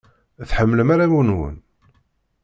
Tḥemmlem arraw-nwen?